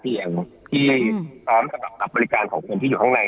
ที่พร้อมสำหรับการรับบริการของคนที่อยู่ข้างใน